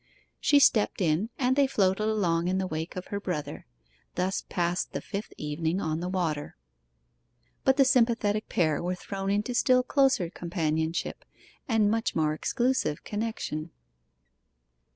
She stepped in, and they floated along in the wake of her brother. Thus passed the fifth evening on the water. But the sympathetic pair were thrown into still closer companionship, and much more exclusive connection.